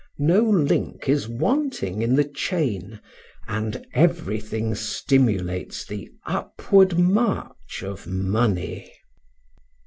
No link is wanting in the chain, and everything stimulates the upward march of money.